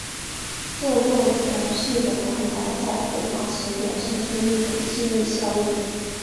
这个种系的蛋白在活化时表现出一种记忆效应。